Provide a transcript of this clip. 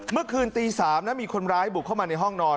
เมื่อคืนตี๓นะมีคนร้ายบุกเข้ามาในห้องนอน